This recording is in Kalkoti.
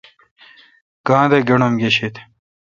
گاں دہ گݨوم گیشد۔؟